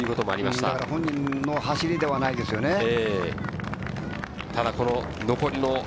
本人の走りではないですよね。